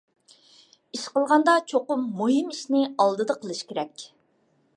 ئىش قىلغاندا چوقۇم مۇھىم ئىشنى ئالدىدا قىلىش كېرەك.